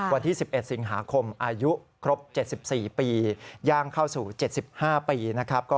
วันที่๑๑สิงหาคมอายุครบ๗๔ปีย่างเข้าสู่๗๕ปีนะครับ